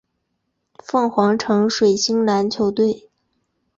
凤凰城水星篮球队。